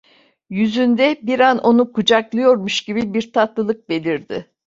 Yüzünde bir an onu kucaklıyormuş gibi bir tatlılık belirdi.